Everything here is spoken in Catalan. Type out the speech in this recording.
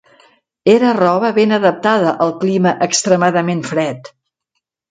Era roba ben adaptada al clima extremadament fred.